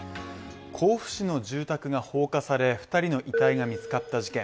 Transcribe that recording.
甲府市の住宅が放火され２人の遺体が見つかった事件。